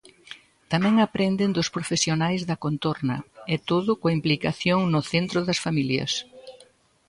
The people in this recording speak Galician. Tamén aprenden dos profesionais da contorna e todo coa implicación no centro das familias.